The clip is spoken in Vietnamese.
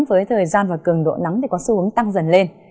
với thời gian và cường độ nắng thì có xu hướng tăng dần lên